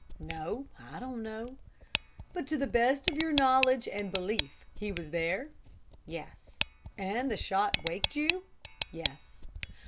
"No, I don't know." "But to the best of your knowledge and belief he was there?" "Yes." "And the shot waked you?" "Yes."